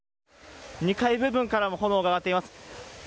２階部分からも炎が上がっています。